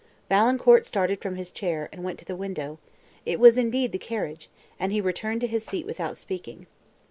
Valancourt started from his chair, and went to the window; it was indeed the carriage, and he returned to his seat without speaking.